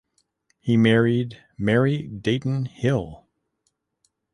He married Mary Dayton Hill.